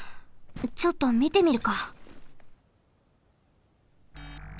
ちょっとみてみるか。